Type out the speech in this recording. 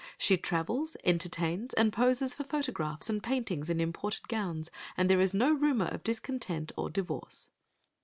She travels, entertains, and poses for photographs and paintings in imported gowns, and there is no rumour of discontent or divorce.